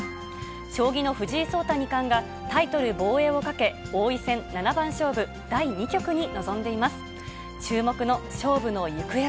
将棋の藤井聡太二冠が、タイトル防衛をかけ、王位戦七番勝負第２局に臨んでいます。